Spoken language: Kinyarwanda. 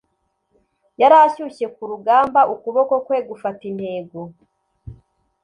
Yari ashyushye kurugamba ukuboko kwe gufata intego